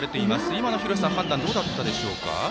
今の判断どうだったでしょうか。